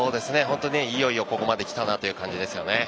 いよいよここまで来たなという感じですよね。